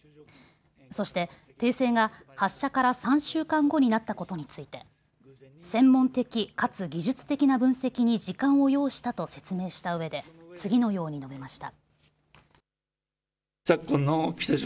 そして訂正が発射から３週間後になったことについて専門的かつ技術的な分析に時間を要したと説明したうえで次のように述べました。